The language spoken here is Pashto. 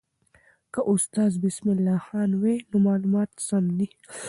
که استاد بسم الله خان وایي، نو معلومات سم دي.